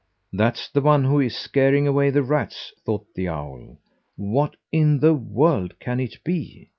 "That's the one who is scaring away the rats!" thought the owl. "What in the world can it be?